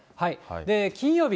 金曜日。